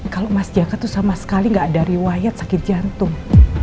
kalau mas ejaka tuh sama sekali gak ada riwayat sakit jantung